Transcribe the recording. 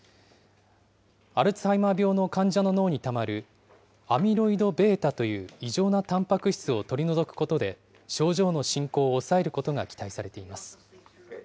アルツハイマー病の患者の脳にたまるアミロイドβという異常なたんぱく質を取り除くことで症状の進行を抑えることが期待されています。